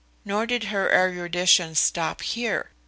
Nor did her erudition stop here.